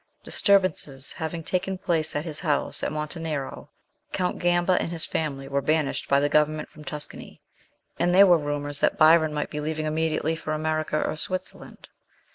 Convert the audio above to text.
Disturbances having taken place at his house at Monte Nero, Count Gamba and his family were banished by the Government from Tus cany, and there were rumours that Byron might be leaving immediately for America or Switzerland.